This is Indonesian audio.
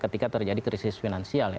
ketika terjadi krisis finansial ya